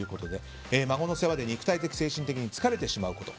孫の世話で肉体的、精神的に疲れてしまうこと。